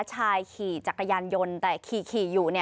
ชายขี่จักรยานยนต์แต่ขี่อยู่